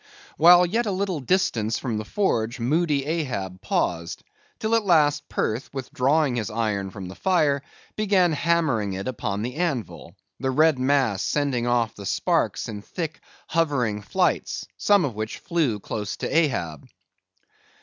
While yet a little distance from the forge, moody Ahab paused; till at last, Perth, withdrawing his iron from the fire, began hammering it upon the anvil—the red mass sending off the sparks in thick hovering flights, some of which flew close to Ahab.